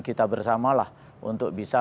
kita bersamalah untuk bisa